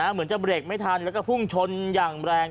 เหมือนจะเบรกไม่ทันแล้วก็พุ่งชนอย่างแรง